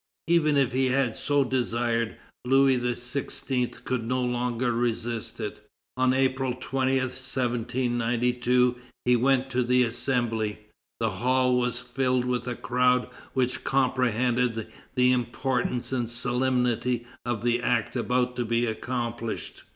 Even if he had so desired, Louis XVI. could no longer resist it. On April 20, 1792, he went to the Assembly. The hall was filled with a crowd which comprehended the importance and solemnity of the act about to be accomplished.